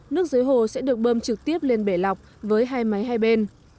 nước dưới hồ sẽ được bơm trực tiếp lên bể lọc với hai máy hai bên